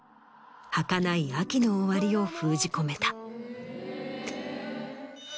はかない秋の終わりを封じ込めた。